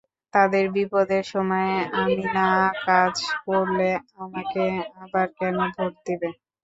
তাদের বিপদের সময় আমি না কাজ করলে আমাকে আবার কেন ভোট দেবে?